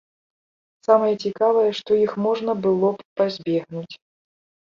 Самае цікавае, што іх можна было б пазбегнуць.